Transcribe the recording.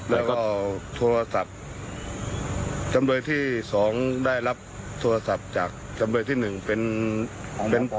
แล้วก็โทรศัพท์จำเลยที่๒ได้รับโทรศัพท์จากจำเลยที่๑เป็นของ